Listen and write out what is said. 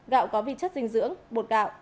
gạo có vị chất dinh dưỡng bột gạo